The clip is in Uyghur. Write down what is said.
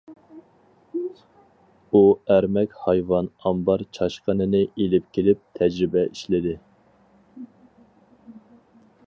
ئۇ ئەرمەك ھايۋان ئامبار چاشقىنىنى ئېلىپ كېلىپ تەجرىبە ئىشلىدى.